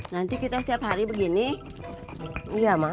nanti kita setiap hari begini iya mak